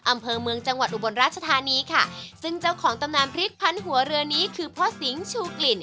อำเภอเมืองจังหวัดอุบลราชธานีค่ะซึ่งเจ้าของตำนานพริกพันหัวเรือนี้คือพ่อสิงห์ชูกลิ่น